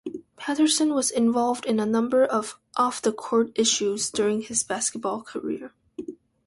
Patterson was involved in a number of off-the-court issues during his basketball career.